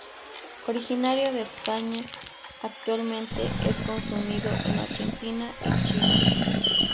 Originario de España, actualmente es consumido en Argentina y Chile.